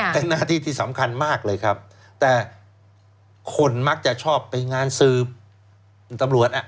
เป็นหน้าที่ที่สำคัญมากเลยครับแต่คนมักจะชอบไปงานสืบตำรวจอ่ะ